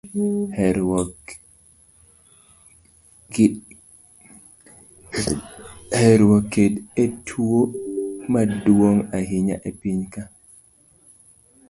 Herruok kend e tuo maduong' ahinya e piny ka.